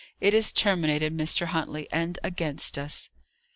It is terminated, Mr. Huntley; and against us."